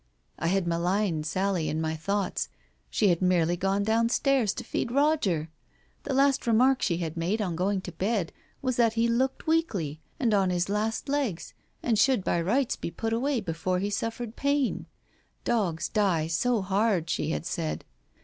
... I had maligned Sally in my thoughts. She had merely gone downstairs to feed Roger ! The last remark she had made on going to bed was that he looked weakly, and on his last legs, and should by rights be put away before he suffered pain. Dogs die so hard, she had said.